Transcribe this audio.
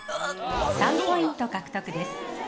３ポイント獲得です。